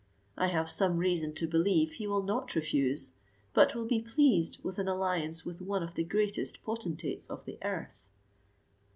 I have some reason to believe he will not refuse, but will be pleased with an alliance with one of the greatest potentates of the earth."